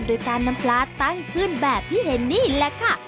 โดยการนำปลาตั้งขึ้นแบบที่เห็นนี่แหละค่ะ